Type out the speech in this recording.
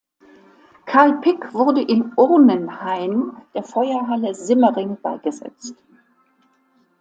Karl Pick wurde im Urnenhain der Feuerhalle Simmering beigesetzt.